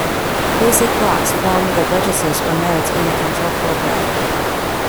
Basic blocks form the vertices or nodes in a control flow graph.